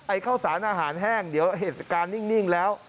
ข้าวสารอาหารแห้งเดี๋ยวเหตุการณ์นิ่งแล้ว